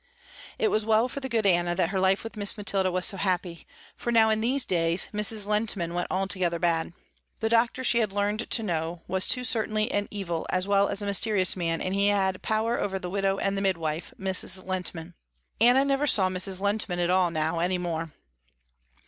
It was well for the good Anna that her life with Miss Mathilda was so happy, for now in these days, Mrs. Lehntman went altogether bad. The doctor she had learned to know, was too certainly an evil as well as a mysterious man, and he had power over the widow and midwife, Mrs. Lehntman. Anna never saw Mrs. Lehntman at all now any more.